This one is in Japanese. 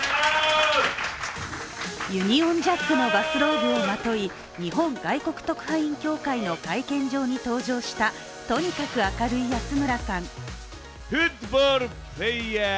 ユニオンジャックのバスローブをまとい日本外国特派員協会の会見場に登場したとにかく明るい安村さん。